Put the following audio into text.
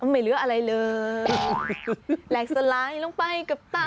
ไม่เหลืออะไรเลยแหลกสไลด์ลงไปกับตา